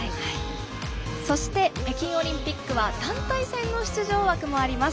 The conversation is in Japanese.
そして北京オリンピックは団体戦の出場枠もあります。